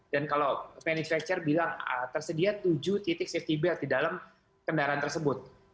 dan kalau manufaktur bilang tersedia tujuh titik safety belt di dalam kendaraan tersebut